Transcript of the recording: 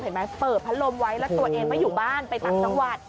เห็นไหมเปิดพัดลมไว้แล้วตัวเองไม่อยู่บ้านไปตังส์สังวัตร